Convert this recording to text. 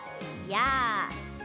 やあ！